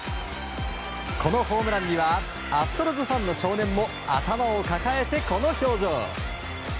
このホームランにはアストロズファンの少年も頭を抱えて、この表情。